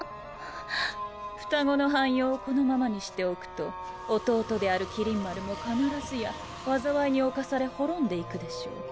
双子の半妖をこのままにしておくと弟である麒麟丸も必ずや災いに侵され滅んでいくでしょう。